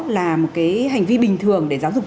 là một cái hành vi bình thường để giáo dục